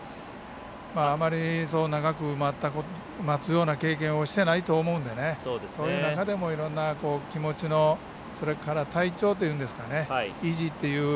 あまり、そう長く待つような経験をしてないと思うのでその中でも、いろんな気持ちの体調というんですかね維持という。